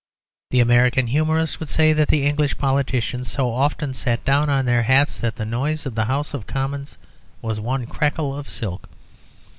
The American humourist would say that the English politicians so often sat down on their hats that the noise of the House of Commons was one crackle of silk.